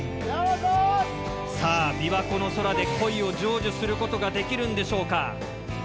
さあ琵琶湖の空で恋を成就する事が出来るんでしょうか。